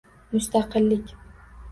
Mustaqillik